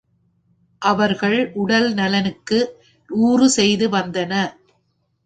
அவர்கள் உடல் நலனுக்கு ஊறு செய்து வந்தன.